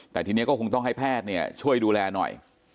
แต่ทีนี้ก็คงต้องให้แพทย์ช่วยดูแลหน่อย